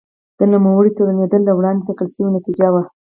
د نوموړي تورنېدل له وړاندې ټاکل شوې نتیجه وه.